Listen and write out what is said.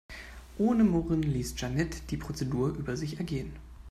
Ohne Murren ließ Jeanette die Prozedur über sich ergehen.